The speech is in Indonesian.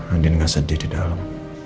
andi gak sedih di dalam